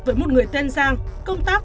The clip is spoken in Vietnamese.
với một người tên giang công tác